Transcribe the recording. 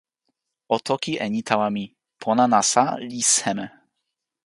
o toki e ni tawa mi: pona nasa li seme?